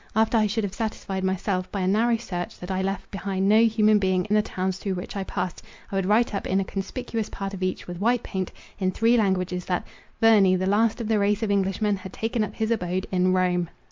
After I should have satisfied myself, by a narrow search, that I left behind no human being in the towns through which I passed, I would write up in a conspicuous part of each, with white paint, in three languages, that "Verney, the last of the race of Englishmen, had taken up his abode in Rome."